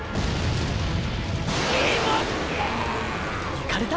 行かれた！！